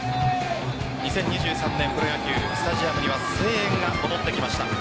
２０２３年、プロ野球スタジアムには声援が戻ってきました。